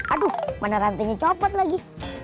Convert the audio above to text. aduh mana rantingnya copot lagi